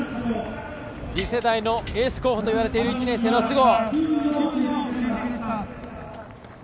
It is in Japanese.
次世代のエース候補といわれている１年生の須郷。